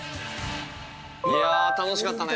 いや楽しかったね。